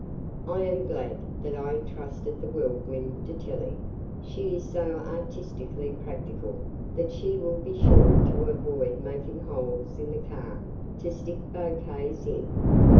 I am glad that I entrusted the Whirlwind to Tillie she is so artistically practical that she will be sure to avoid making holes in the car to stick bouquets in."